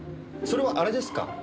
それはあれですか？